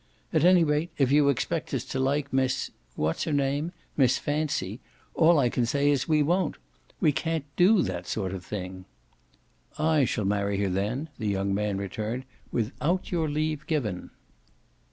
At any rate if you expect us to like Miss what's her name? Miss Fancy, all I can say is we won't. We can't DO that sort of thing!" "I shall marry her then," the young man returned, "without your leave given!"